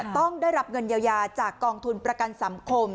ต้องได้รับเงินเยียวยาจากกองทุนประกันสังคม